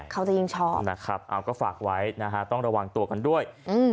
เขาจะยิ่งชอบนะครับเอาก็ฝากไว้นะฮะต้องระวังตัวกันด้วย